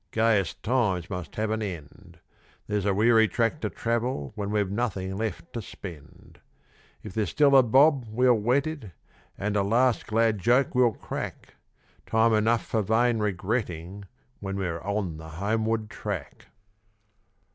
Gayest times must have an end, There's a weary track to travel when we've nothing left to spend. If there's still a bob we'll wet it, and a last glad joke we'll crack, Time enough for vain regretting when we're on the Homeward Track.